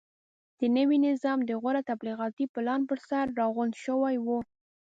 د نوي نظام د غوره تبلیغاتي پلان پرسر راغونډ شوي وو.